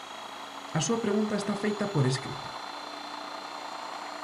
A súa pregunta está feita por escrito.